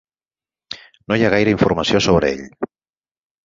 No hi ha gaire informació sobre ell.